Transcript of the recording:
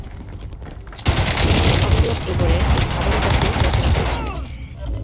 তিনি comedy of এবর-এর এই ভাবানুবাদটি রচনা করেছিলেন।